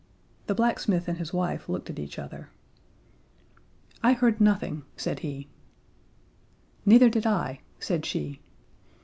The blacksmith and his wife looked at each other. "I heard nothing," said he. "Neither did I," said she.